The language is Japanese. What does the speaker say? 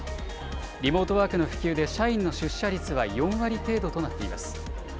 リモートワークの普及で社員の出社率は４割程度となっています。